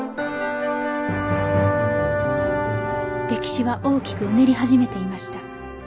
歴史は大きくうねり始めていました。